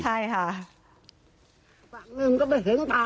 ใช่ค่ะ